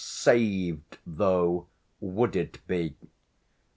"Saved," though, would it be?